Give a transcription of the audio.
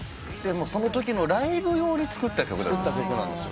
そのときのライブ用に作った曲だったんです。